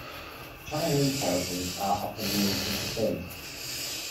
Chinese characters are often used instead.